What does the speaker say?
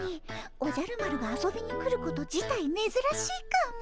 おじゃる丸が遊びに来ること自体めずらしいかも。